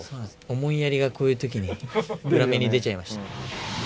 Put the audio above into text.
思いやりがこういう時に裏目に出ちゃいました。